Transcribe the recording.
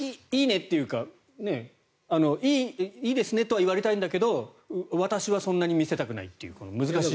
いいねというかいいですねとは言われたいんだけど私はそんなに見せたくないという。